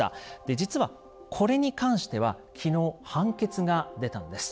実はこれに関しては昨日判決が出たんです。